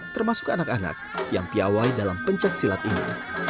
termasuk anak anak yang piawai dalam pencaksilat ini